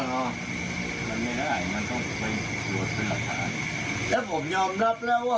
แล้วผมยอมนับแล้ววะ